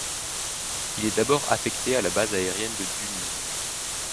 Il est d'abord affecté à la base aérienne de Dugny.